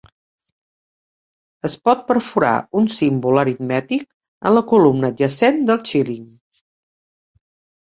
Es pot perforar un símbol aritmètic en la columna adjacent del xíling.